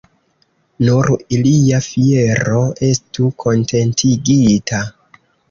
Nur ilia fiero estu kontentigita.